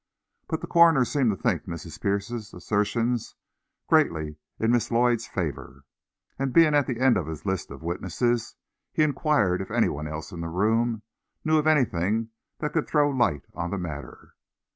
But the coroner seemed to think Mrs. Pierce's assertions greatly in Miss Lloyd's favor, and, being at the end of his list of witnesses, he inquired if any one else in the room knew of anything that could throw light on the matter.